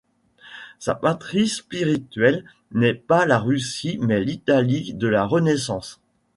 Sa patrie spirituelle n'est pas la Russie mais l'Italie de la Renaissance.